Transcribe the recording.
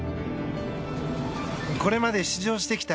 これまで出場してきた